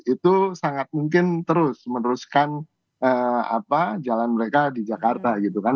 itu sangat mungkin terus meneruskan jalan mereka di jakarta gitu kan